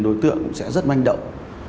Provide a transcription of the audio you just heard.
đối tượng cũng sẽ rất manh động